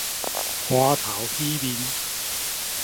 歡頭喜面